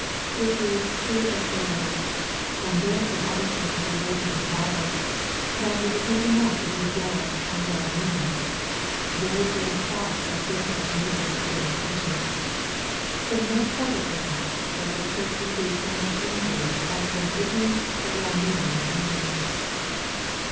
It is as clear as daylight, from this and other cases related in the Bible, that it is not enough to be zealous and tveU meamng. Very grave faults are frequently committed with good intentions. From no quarter perhaps has the Church received so much injury as from ignorant but well meaning men.